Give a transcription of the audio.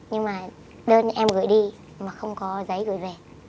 nhưng mà đơn em gửi đi mà không có giấy gửi về